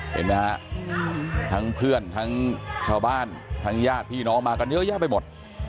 เห็นไหมฮะทั้งเพื่อนทั้งชาวบ้านทั้งญาติพี่น้องมากันเยอะแยะไปหมด